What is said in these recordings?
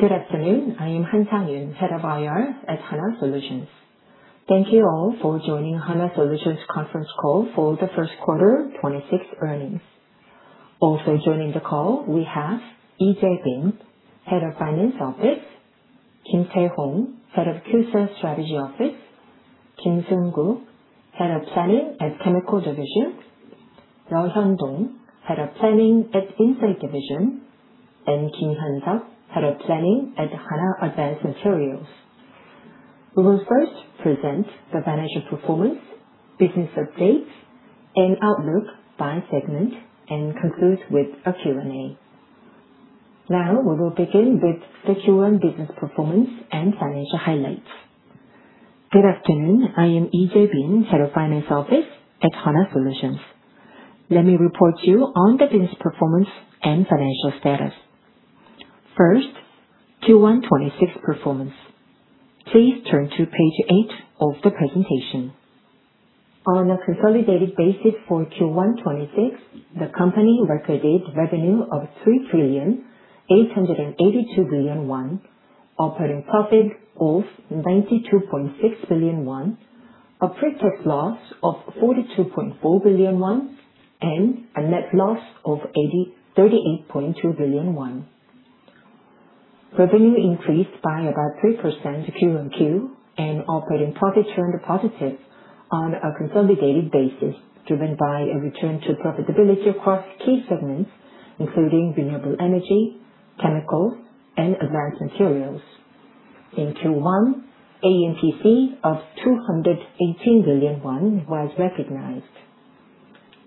Good afternoon. I am Han Sang-Yoon, Head of IR at Hanwha Solutions. Thank you all for joining Hanwha Solutions conference call for the first quarter 2026 earnings. Also joining the call we have Jae-Bin Lee, Head of Finance Office, Kim Tae-hong, Head of Qcells Strategy Office, Seungkook Kim, Head of Planning at Chemical Division, Yeo Hyun Dong, Head of Planning at Insight Division, and Kim Woo-seok, Head of Planning at Hanwha Advanced Materials. We will first present the financial performance, business updates and outlook by segment and conclude with a Q&A. Now we will begin with the Q1 business performance and financial highlights. Good afternoon, I am Jae-Bin Lee, Head of Finance Office at Hanwha Solutions. Let me report you on the business performance and financial status. First, Q1 2026 performance. Please turn to page eight of the presentation. On a consolidated basis for Q1 2026, the company recorded revenue of 3 trillion, 882 billion, operating profit of 92.6 billion, a pretax loss of 42.4 billion, and a net loss of 38.2 billion. Revenue increased by about 3% Q-on-Q and operating profit turned positive on a consolidated basis, driven by a return to profitability across key segments, including renewable energy, chemicals, and advanced materials. In Q1, AMPC of 218 billion was recognized.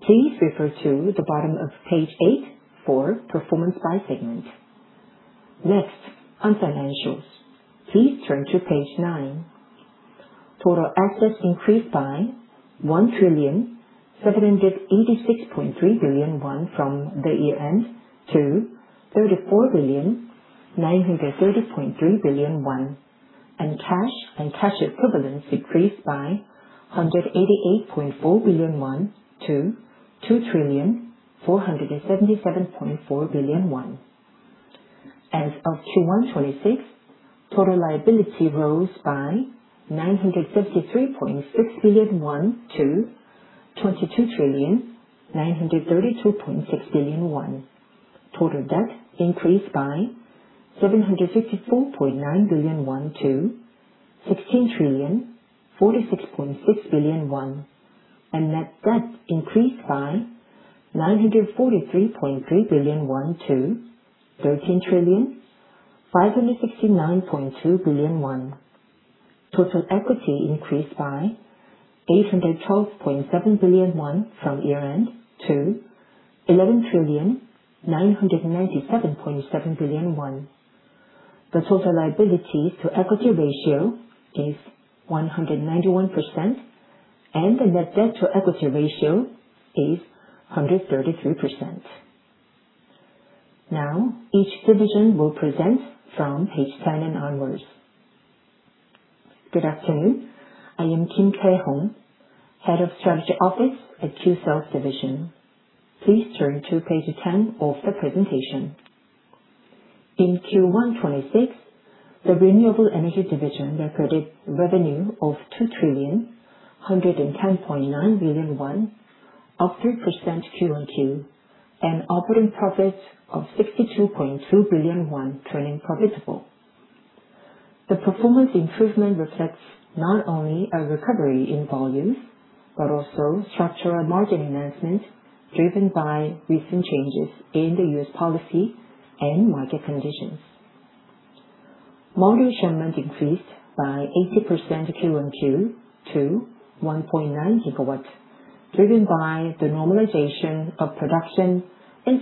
Please refer to the bottom of page eight for performance by segment. On financials. Please turn to page nine. Total assets increased by 1,786.3 billion won from the year-end to 34,930.3 billion, and cash and cash equivalents increased by 188.4 billion-2,477.4 billion won. As of Q1 2026, total liability rose by 973.6 billion-22,932.6 billion. Total debt increased by 764.9 billion-16,046.6 billion. Net debt increased by 943.3 billion-13,569.2 billion. Total equity increased by 812.7 billion won from year-end to 11,997.7 billion won. The total liabilities to equity ratio is 191%, and the net debt to equity ratio is 133%. Now, each division will present from page 10 and onwards. Good afternoon, I am Kim Tae-hong, Head of Strategy Office at Qcells division. Please turn to page 10 of the presentation. In Q1 2026, the renewable energy division recorded revenue of 2,110.9 billion won, up 3% Q-on-Q, and operating profit of 62.2 billion won turning profitable. The performance improvement reflects not only a recovery in volumes, but also structural margin enhancement, driven by recent changes in the U.S. policy and market conditions. Module shipment increased by 80% Q-on-Q to 1.9 GW, driven by the normalization of production and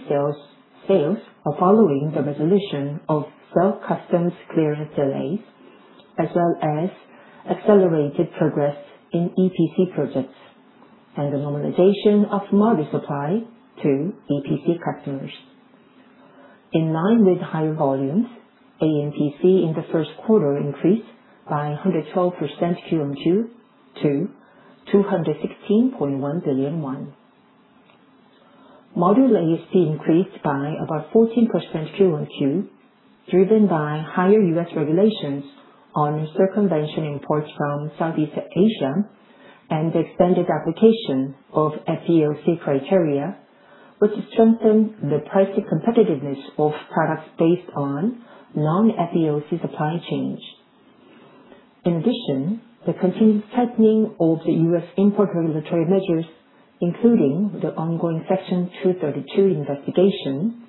sales following the resolution of cell customs clearance delays, as well as accelerated progress in EPC projects and the normalization of module supply to EPC customers. In line with higher volumes, AMPC in the first quarter increased by 112% Q-on-Q to KRW 216.1 billion. Module ASP increased by about 14% Q-on-Q, driven by higher U.S. regulations on circumvention imports from Southeast Asia and the extended application of FEOC criteria, which strengthened the pricing competitiveness of products based on non-FEOC supply chains. In addition, the continued tightening of the U.S. import regulatory measures, including the ongoing Section 232 investigation,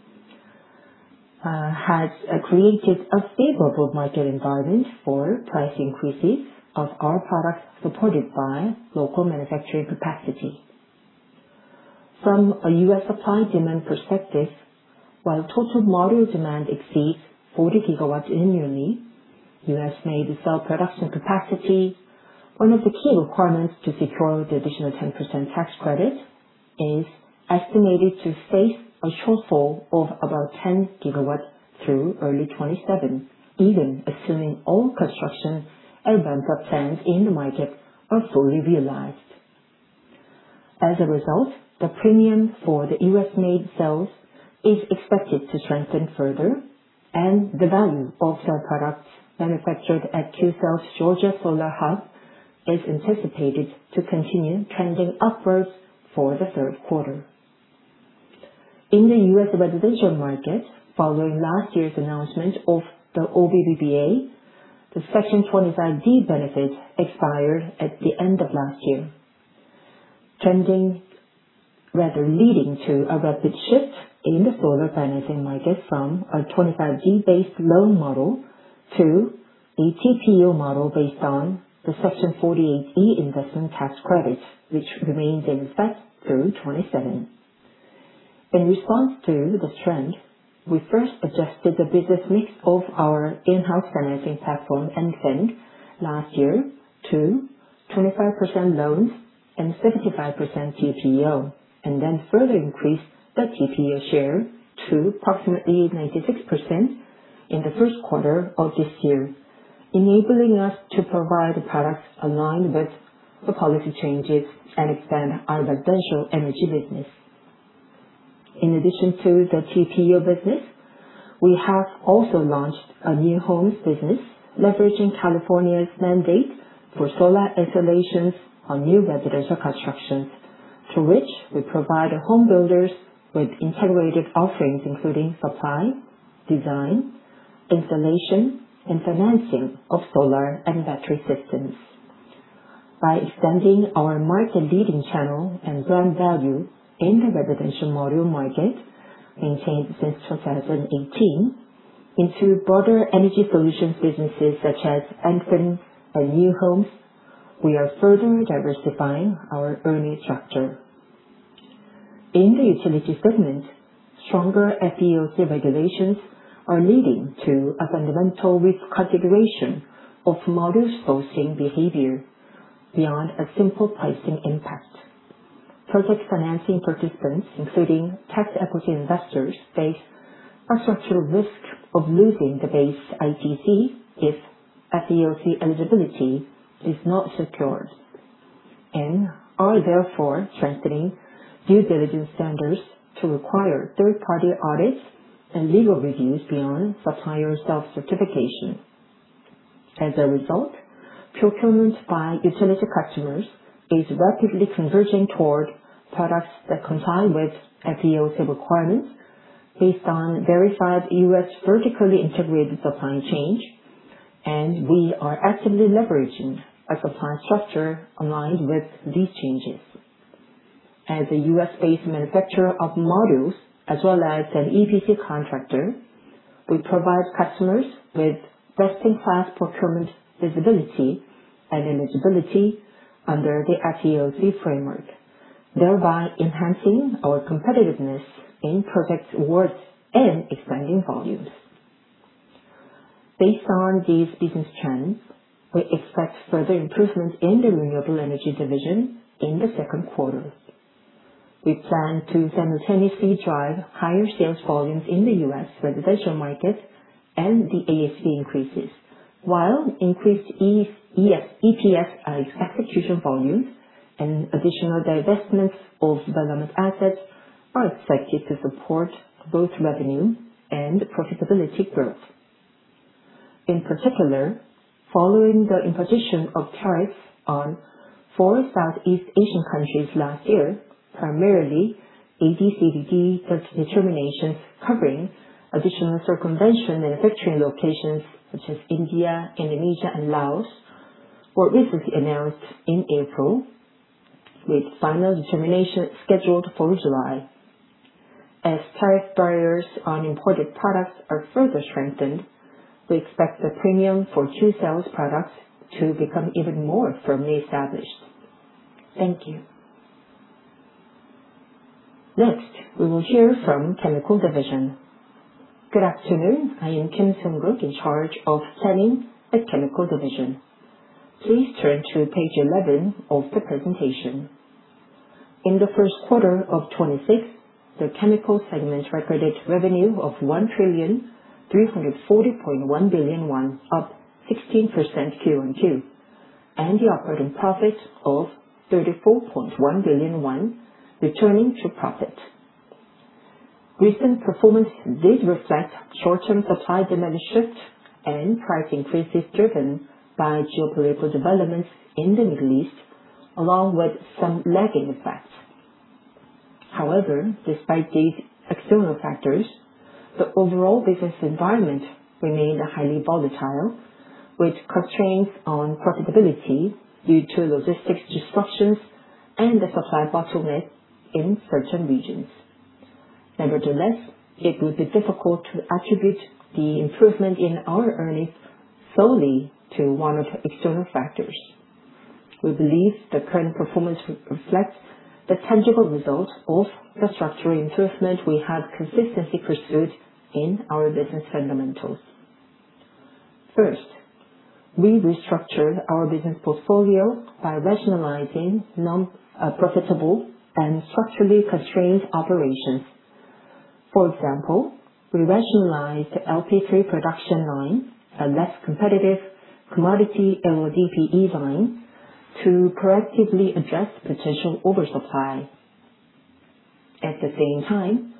has created a favorable market environment for price increases of our products supported by local manufacturing capacity. From a U.S. supply demand perspective, while total module demand exceeds 40 GW annually, U.S.-made cell production capacity, one of the key requirements to secure the additional 10% tax credit, is estimated to face a shortfall of about 10 GW through early 2027, even assuming all construction and ramp up plans in the market are fully realized. As a result, the premium for the U.S.-made cells is expected to strengthen further, and the value of cell products manufactured at Qcells Georgia Solar Hub is anticipated to continue trending upwards for the third quarter. In the U.S. residential market, following last year's announcement of the OBBBA, the Section 25D benefit expired at the end of last year, rather leading to a rapid shift in the solar financing market from a 25D-based loan model to a TPO model based on the Section 48E investment tax credit, which remains in effect through 2027. In response to the trend, we first adjusted the business mix of our in-house financing platform, EnFin, last year to 25% loans and 75% TPO, and then further increased the TPO share to approximately 96% in the first quarter of this year, enabling us to provide products aligned with the policy changes and expand our residential energy business. In addition to the TPO business, we have also launched a new homes business leveraging California's mandate for solar installations on new residential constructions, through which we provide home builders with integrated offerings including supply, design, installation, and financing of solar and battery systems. By extending our market-leading channel and brand value in the residential module market, maintained since 2018, into broader energy solutions businesses such as EnFin and new homes, we are further diversifying our earning structure. In the utility segment, stronger FEOC regulations are leading to a fundamental reconfiguration of module sourcing behavior beyond a simple pricing impact. Project financing participants, including tax equity investors, face a structural risk of losing the base ITC if FEOC eligibility is not secured, and are therefore strengthening due diligence standards to require third-party audits and legal reviews beyond supplier self-certification. As a result, procurement by utility customers is rapidly converging toward products that comply with FEOC requirements based on verified U.S. vertically integrated supply chain, and we are actively leveraging a supply structure aligned with these changes. As a U.S.-based manufacturer of modules as well as an EPC contractor, we provide customers with best-in-class procurement visibility and eligibility under the FEOC framework, thereby enhancing our competitiveness in project awards and expanding volumes. Based on these business trends, we expect further improvements in the renewable energy division in the second quarter. We plan to simultaneously drive higher sales volumes in the U.S. residential market and the ASP increases, while increased EPC execution volumes and additional divestments of development assets are expected to support both revenue and profitability growth. In particular, following the imposition of tariffs on four Southeast Asian countries last year, primarily AD/CVD determinations covering additional circumvention manufacturing locations such as India, Indonesia, and Laos, were recently announced in April, with final determination scheduled for July. As tariff barriers on imported products are further strengthened, we expect the premium for Qcells products to become even more firmly established. Thank you. Next, we will hear from Chemical Division. Good afternoon. I am Seungkook Kim, in charge of planning the Chemical Division. Please turn to page 11 of the presentation. In the first quarter of 2026, the Chemical segment recorded revenue of 1,340.1 billion won, up 16% Q-on-Q, and the operating profit of 34.1 billion won, returning to profit. Recent performance did reflect short-term supply demand shift and price increases driven by geopolitical developments in the Middle East, along with some lagging effects. However, despite these external factors, the overall business environment remained highly volatile, with constraints on profitability due to logistics disruptions and the supply bottlenecks in certain regions. Nevertheless, it would be difficult to attribute the improvement in our earnings solely to one of the external factors. We believe the current performance reflects the tangible result of the structural improvement we have consistently pursued in our business fundamentals. First, we restructured our business portfolio by rationalizing non-profitable and structurally constrained operations. For example, we rationalize the LP3 production line, a less competitive commodity LDPE line to proactively address potential oversupply. At the same time,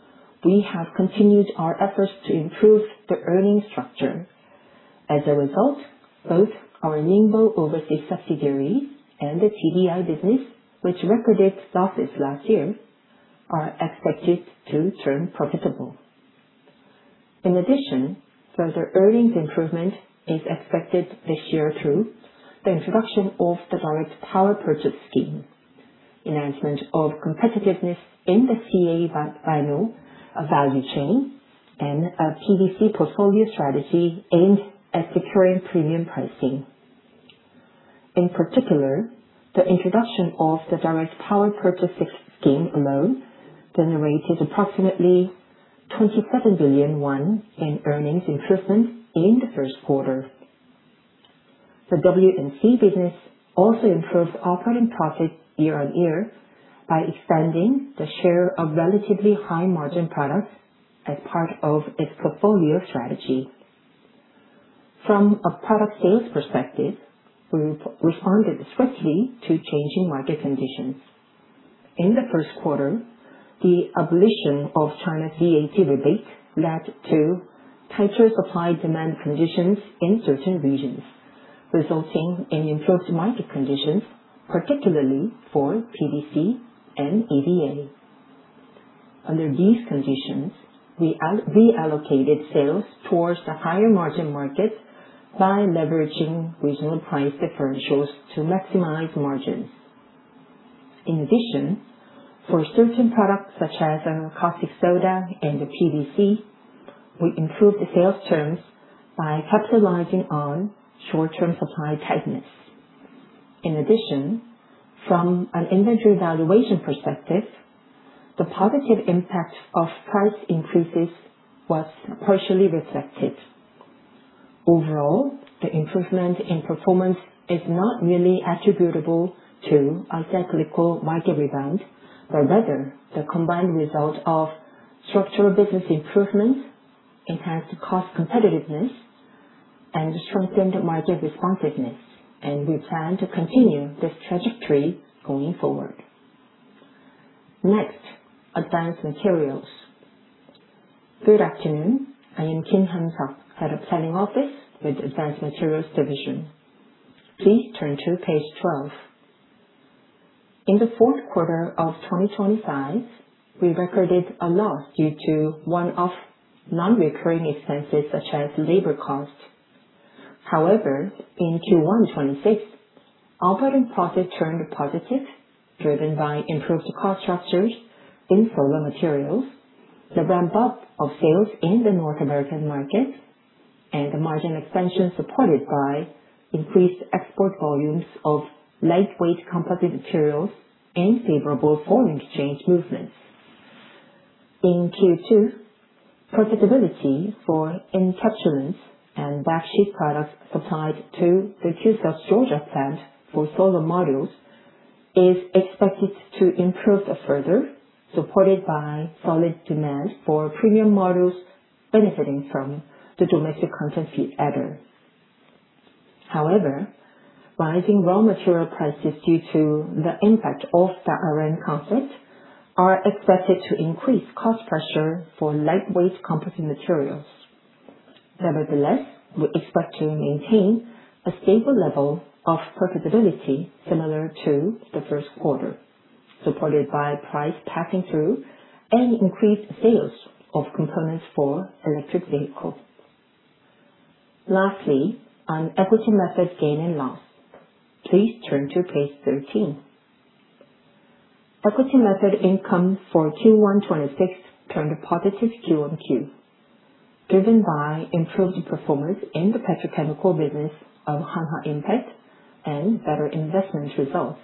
we have continued our efforts to improve the earning structure. Both our Ningbo overseas subsidiary and the TDI business, which recorded losses last year, are expected to turn profitable. Further earnings improvement is expected this year through the introduction of the direct power purchase scheme, enhancement of competitiveness in the VCM vinyl value chain, and a PVC portfolio strategy aimed at securing premium pricing. The introduction of the direct power purchase scheme alone generated approximately 27 billion won in earnings improvement in the first quarter. The W&C business also improved operating profit year-over-year by expanding the share of relatively high margin products as part of its portfolio strategy. From a product sales perspective, we've responded swiftly to changing market conditions. In the first quarter, the abolition of China's VAT rebate led to tighter supply-demand conditions in certain regions, resulting in improved market conditions, particularly for PVC and EVA. Under these conditions, we all-reallocated sales towards the higher margin markets by leveraging regional price differentials to maximize margins. In addition, for certain products such as Caustic Soda and the PVC, we improved the sales terms by capitalizing on short-term supply tightness. In addition, from an inventory valuation perspective, the positive impact of price increases was partially reflected. Overall, the improvement in performance is not merely attributable to a cyclical market rebound, but rather the combined result of structural business improvements, enhanced cost competitiveness, and strengthened market responsiveness. We plan to continue this trajectory going forward. Next, Advanced Materials. Good afternoon. I am Kim Woo-seok, Head of Planning Office with Advanced Materials Division. Please turn to page 12. In the fourth quarter of 2025, we recorded a loss due to one-off non-recurring expenses such as labor costs. In Q1 2026, operating profit turned positive, driven by improved cost structures in solar materials, the ramp up of sales in the North American market, and the margin expansion supported by increased export volumes of lightweight composite materials and favorable foreign exchange movements. In Q2, profitability for encapsulants and backsheet products supplied to the Cartersville, Georgia plant for solar modules is expected to improve further, supported by solid demand for premium modules benefiting from the domestic content bonus adder. Rising raw material prices due to the impact of the Iran conflict are expected to increase cost pressure for lightweight composite materials. We expect to maintain a stable level of profitability similar to the first quarter, supported by price passing through and increased sales of components for electric vehicles. Lastly, on equity method gain and loss, please turn to page 13. Equity method income for Q1 2026 turned a positive Q-on-Q, driven by improved performance in the petrochemical business of Hanwha Impact and better investment results.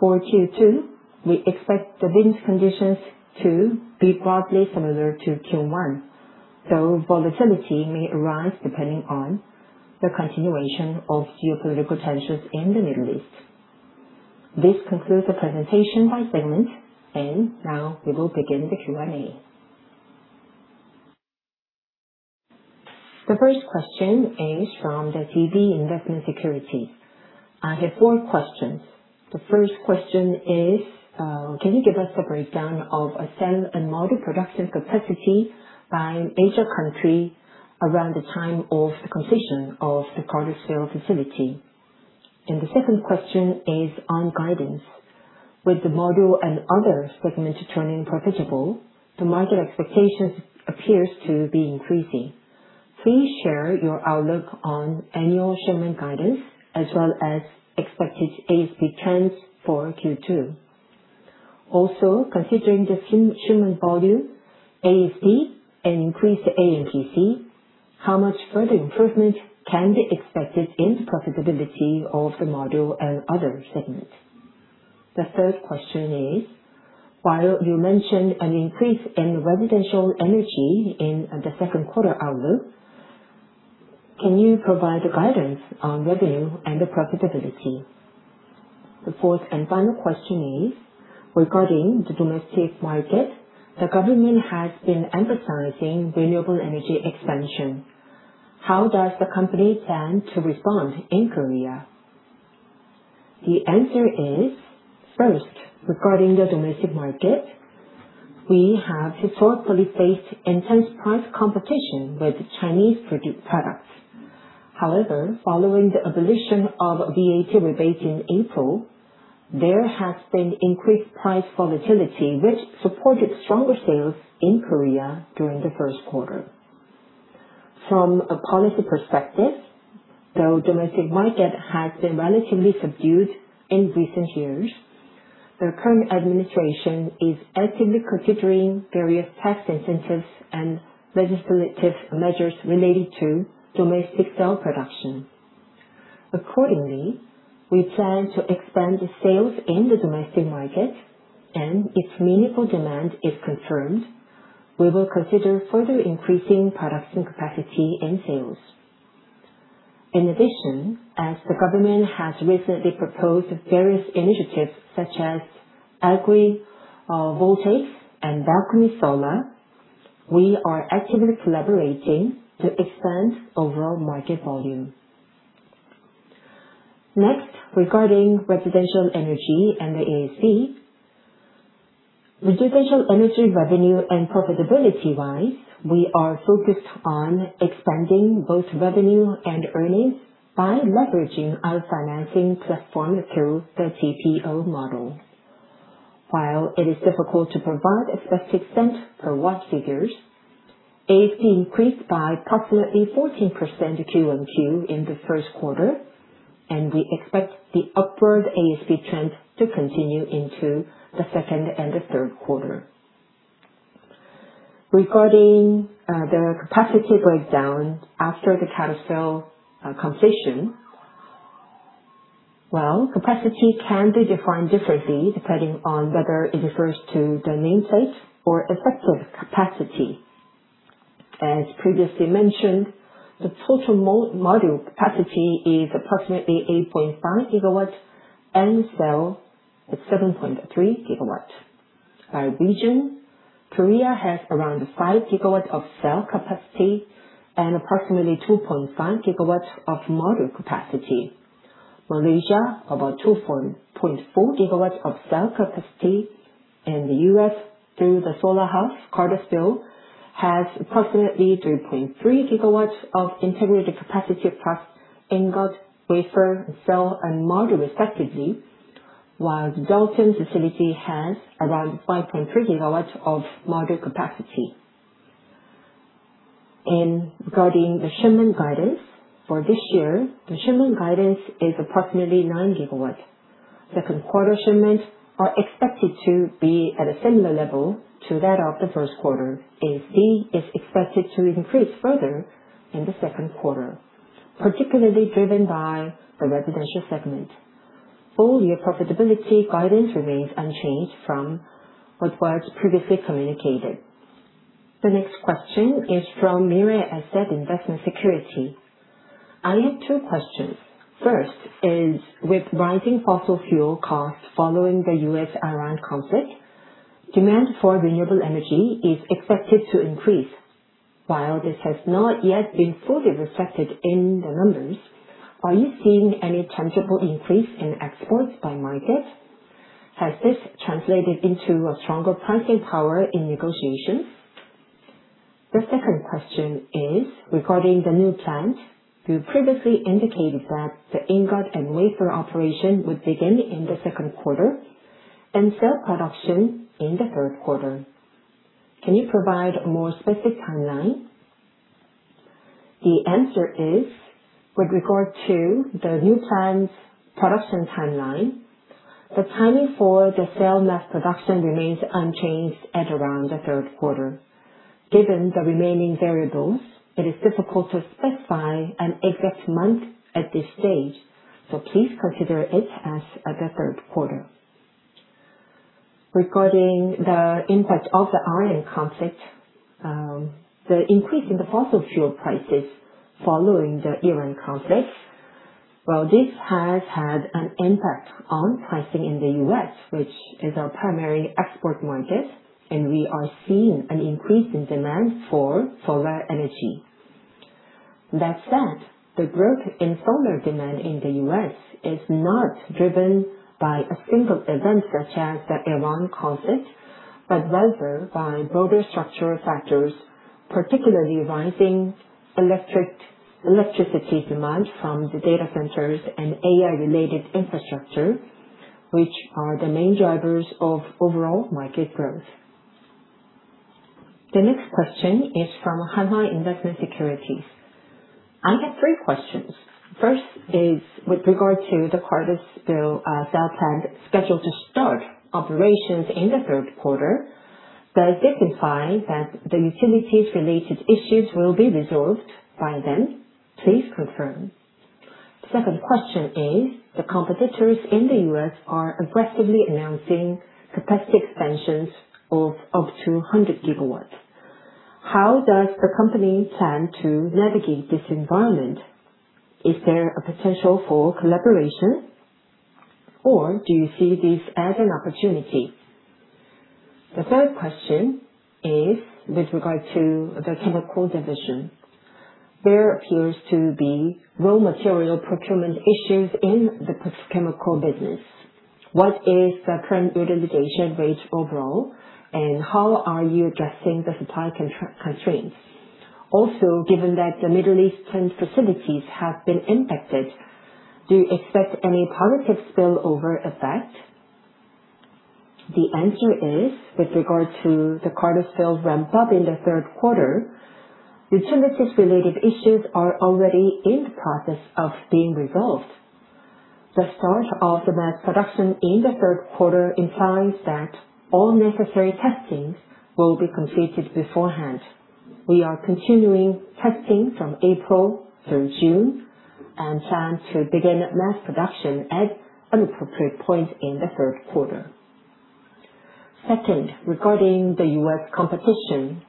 For Q2, we expect the business conditions to be broadly similar to Q1, though volatility may arise depending on the continuation of geopolitical tensions in the Middle East. This concludes the presentation by segment. Now we will begin the Q&A. The 1st question is from the DB Investment Securities. I have four questions. The 1st question is, can you give us a breakdown of cell and module production capacity by Asia country around the time of the completion of the Cartersville facility? The 2nd question is on guidance. With the module and other segments turning profitable, the market expectations appears to be increasing. Please share your outlook on annual shipment guidance as well as expected ASP trends for Q2. Considering the shipment volume, ASP, and increased AMPC, how much further improvement can be expected in the profitability of the module and other segments? The third question is, while you mentioned an increase in residential energy in the second quarter outlook, can you provide a guidance on revenue and the profitability? The fourth and final question is, regarding the domestic market, the government has been emphasizing renewable energy expansion. How does the company plan to respond in Korea? The answer is, first, regarding the domestic market, we have historically faced intense price competition with Chinese products. Following the abolition of VAT rebate in April, there has been increased price volatility, which supported stronger sales in Korea during the first quarter. From a policy perspective, though domestic market has been relatively subdued in recent years, the current administration is actively considering various tax incentives and legislative measures related to domestic cell production. Accordingly, we plan to expand sales in the domestic market, and if meaningful demand is confirmed, we will consider further increasing production capacity and sales. In addition, as the government has recently proposed various initiatives such as agrivoltaics and balcony solar, we are actively collaborating to expand overall market volume. Next, regarding residential energy and the ASP, residential energy revenue and profitability-wise, we are focused on expanding both revenue and earnings by leveraging our financing platform through the TPO model. While it is difficult to provide expected cent per watt figures, ASP increased by approximately 14% Q on Q in the first quarter, and we expect the upward ASP trend to continue into the second and the third quarter. Regarding the capacity breakdown after the Cartersville completion. Well, capacity can be defined differently depending on whether it refers to the nameplate or effective capacity. As previously mentioned, the total module capacity is approximately 8.5 GW and cell at 7.3 GW. By region, Korea has around 5 GW of cell capacity and approximately 2.5 GW of module capacity. Malaysia, about 2.4 GW of cell capacity. The U.S., through the Solar Hub, Cartersville, has approximately 3.3 GW of integrated capacity plus ingot, wafer, cell, and module respectively. While the Dalton facility has around 5.3 GW of module capacity. Regarding the shipment guidance for this year, the shipment guidance is approximately 9 GW. Second quarter shipments are expected to be at a similar level to that of the first quarter. ASP is expected to increase further in the second quarter, particularly driven by the residential segment. Full year profitability guidance remains unchanged from what was previously communicated. The next question is from Mirae Asset Securities. I have two questions. First is, with rising fossil fuel costs following the U.S.-Iran conflict, demand for renewable energy is expected to increase. While this has not yet been fully reflected in the numbers, are you seeing any tangible increase in exports by market? Has this translated into a stronger pricing power in negotiations? The second question is regarding the new plant. You previously indicated that the ingot and wafer operation would begin in the second quarter and cell production in the third quarter. Can you provide a more specific timeline? The answer is, with regard to the new plant's production timeline, the timing for the cell mass production remains unchanged at around the third quarter. Given the remaining variables, it is difficult to specify an exact month at this stage, so please consider it as the third quarter. Regarding the impact of the Iran conflict, the increase in the fossil fuel prices following the Iran conflict. This has had an impact on pricing in the U.S., which is our primary export market, and we are seeing an increase in demand for solar energy. That said, the growth in solar demand in the U.S. is not driven by a single event such as the Iran crisis, but rather by broader structural factors, particularly rising electricity demand from the data centers and AI-related infrastructure, which are the main drivers of overall market growth. The next question is from Hanwha Investment Securities. I have three questions. First is with regard to the Cartersville cell plant scheduled to start operations in the third quarter. Does this imply that the utilities related issues will be resolved by then? Please confirm. Second question is, the competitors in the U.S. are aggressively announcing capacity expansions of to 100 GW. How does the company plan to navigate this environment? Is there a potential for collaboration, or do you see this as an opportunity? The third question is with regard to the Chemical Division. There appears to be raw material procurement issues in the chemical business. What is the current utilization rate overall, and how are you addressing the supply constraints? Also, given that the Middle East plant facilities have been impacted, do you expect any positive spillover effect? The answer is, with regard to the Cartersville ramp up in the third quarter, the generative related issues are already in the process of being resolved. The start of the mass production in the third quarter implies that all necessary testings will be completed beforehand. We are continuing testing from April through June and plan to begin mass production at an appropriate point in the third quarter. Second, regarding the U.S. competition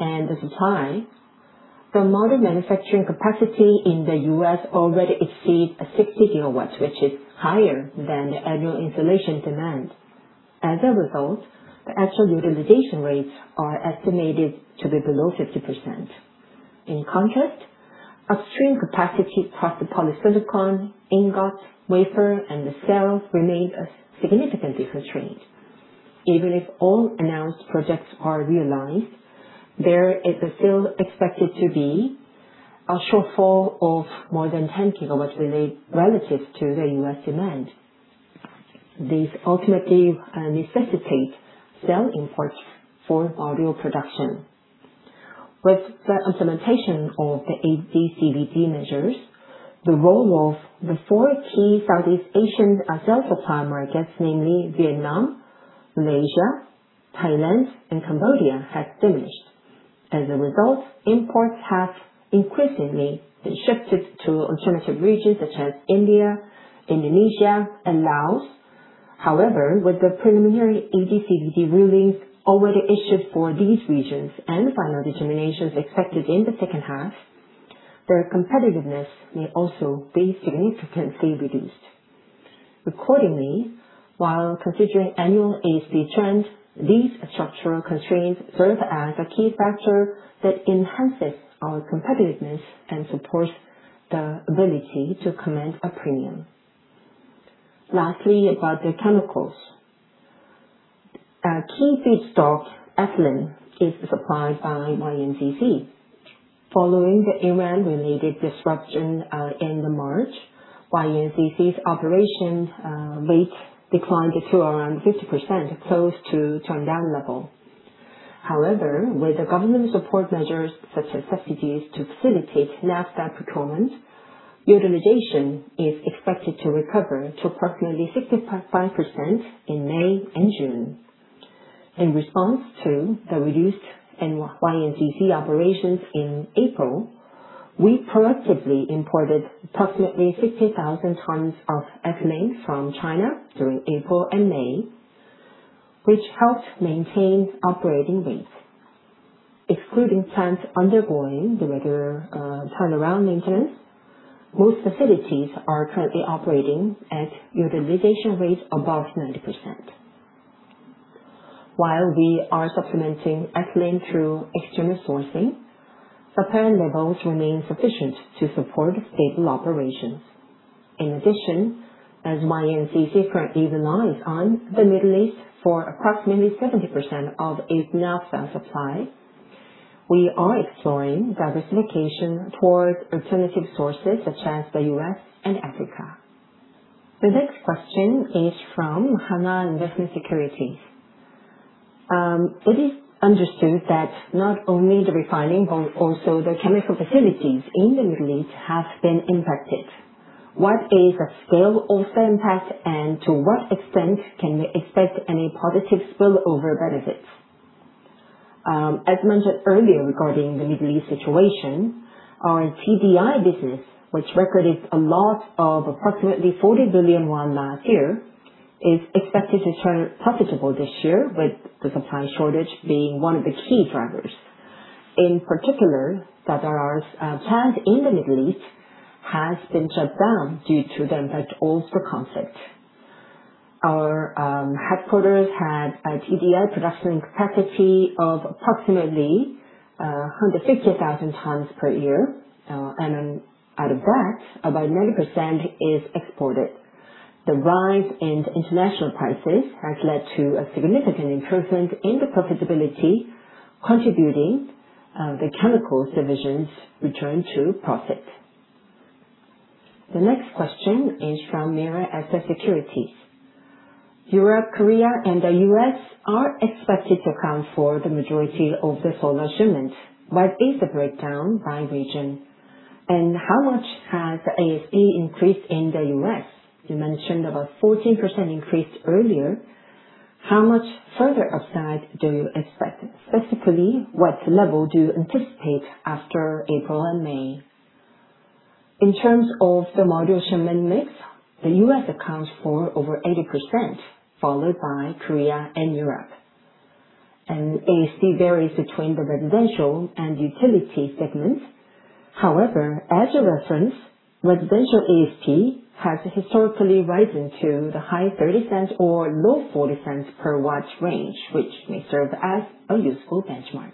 and the supply, the modern manufacturing capacity in the U.S. already exceeds 60 GW, which is higher than the annual installation demand. As a result, the actual utilization rates are estimated to be below 50%. In contrast, upstream capacity across the polysilicon, ingot, wafer, and the cells remain a significantly constrained. Even if all announced projects are realized, there is still expected to be a shortfall of more than 10 GW relative to the U.S. demand. These ultimately necessitate cell imports for module production. With the implementation of the AD/CVD measures, the role of the 4 key Southeast Asian cell supply markets, namely Vietnam, Malaysia, Thailand, and Cambodia, has diminished. As a result, imports have increasingly shifted to alternative regions such as India, Indonesia, and Laos. However, with the preliminary AD/CVD rulings already issued for these regions and final determinations expected in the second half, their competitiveness may also be significantly reduced. Accordingly, while considering annual AC trends, these structural constraints serve as a key factor that enhances our competitiveness and supports the ability to command a premium. Lastly, about the chemicals. Our key feedstock, ethylene, is supplied by YNCC. Following the Iran related disruption, in March, YNCC's operations rate declined to around 50%, close to turnaround level. However, with the government support measures such as subsidies to facilitate naphtha procurement, utilization is expected to recover to approximately 65% in May and June. In response to the reduced YNCC operations in April, we proactively imported approximately 60,000 tons of ethylene from China during April and May, which helped maintain operating rates. Excluding plants undergoing the regular turnaround maintenance, most facilities are currently operating at utilization rates above 90%. While we are supplementing ethylene through external sourcing, the current levels remain sufficient to support stable operations. In addition, as YNCC currently relies on the Middle East for approximately 70% of its naphtha supply, we are exploring diversification towards alternative sources such as the U.S. and Africa. The next question is from Hanwha Investment Securities. It is understood that not only the refining but also the chemical facilities in the Middle East have been impacted. What is the scale of the impact, and to what extent can we expect any positive spillover benefits? As mentioned earlier, regarding the Middle East situation, our TDI business, which recorded a loss of approximately 40 billion won last year, is expected to turn profitable this year, with the supply shortage being one of the key drivers. In particular, Sadara plant in the Middle East has been shut down due to the Israel-Gaza conflict. Our headquarters had a TDI production capacity of approximately 150,000 tons per year. Out of that, about 90% is exported. The rise in international prices has led to a significant improvement in the profitability, contributing the Chemical Division's return to profit. The next question is from Mirae Asset Securities. Europe, Korea, and the U.S. are expected to account for the majority of the solar shipments. What is the breakdown by region, and how much has ASP increased in the U.S.? You mentioned about 14% increase earlier. How much further upside do you expect? Specifically, what level do you anticipate after April and May? In terms of the module shipment mix, the U.S. accounts for over 80%, followed by Korea and Europe. ASP varies between the residential and utility segments. However, as a reference, residential ASP has historically risen to the high $0.30 or low $0.40 per watt range, which may serve as a useful benchmark.